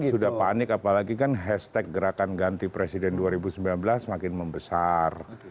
sudah panik apalagi kan hashtag gerakan ganti presiden dua ribu sembilan belas makin membesar